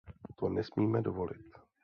To nesmíme dovolit.